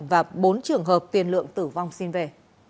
và bốn trường hợp tiền lượng tử vong xin về